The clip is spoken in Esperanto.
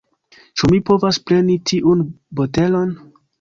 Ĉu mi povas preni tiun botelon?